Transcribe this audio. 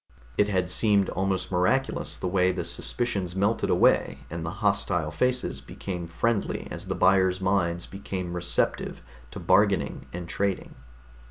It had seemed almost miraculous the way the suspicions melted away and the hostile faces became friendly as the buyers' minds became receptive to bargaining and trading.